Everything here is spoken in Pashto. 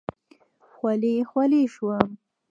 خولې خولې شوم.